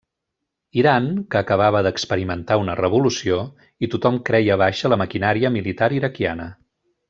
Iran, que acabava d'experimentar una revolució, i tothom creia baixa la maquinària militar iraquiana.